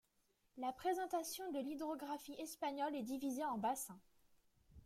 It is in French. La présentation de l'hydrographie espagnole est divisée en bassins.